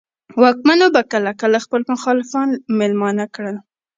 واکمنو به کله کله خپل مخالفان مېلمانه کړل.